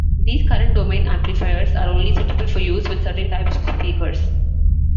These current domain amplifiers are only suitable for use with certain types of speakers.